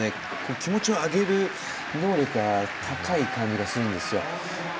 気持ちを上げる能力が高い感じがするんですよね。